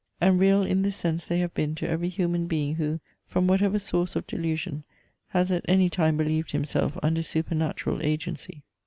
And real in this sense they have been to every human being who, from whatever source of delusion, has at any time believed himself under supernatural agency.